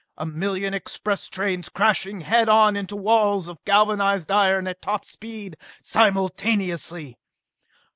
A million express trains crashing head on into walls of galvanized iron at top speed, simultaneously.